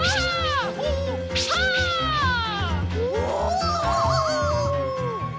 お！